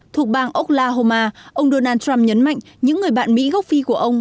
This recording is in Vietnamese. thuộc bang oklahoma ông donald trump nhấn mạnh những người bạn mỹ gốc phi của ông